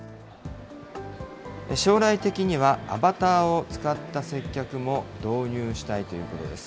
将来的にはアバターを使った接客も導入したいということです。